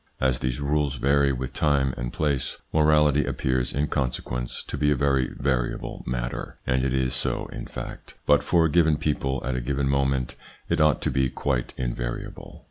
As these rules vary with time and place, morality appears in consequence to be a very variable matter, and it is so in fact ; but for a given people, at a given moment, it ought to be quite invariable.